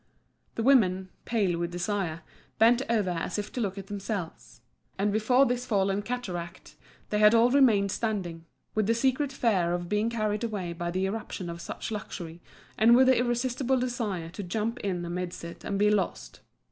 The women, pale with desire, bent over as if to look at themselves. And before this falling cataract they all remained standing, with the secret fear of being carried away by the irruption of such luxury, and with the irresistible desire to jump in amidst it and be lost.